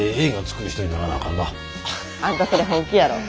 あんたそれ本気やろ。